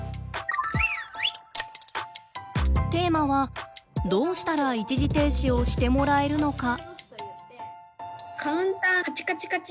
テーマはどうしたら一時停止をしてもらえるのか。